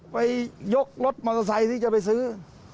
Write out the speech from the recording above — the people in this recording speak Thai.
ไปยกรถมอเตอร์ไซค์ที่จะไปซื้อ